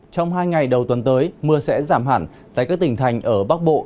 trong hai ngày đầu tuần tới mưa sẽ giảm hẳn tại các tỉnh thành ở bắc bộ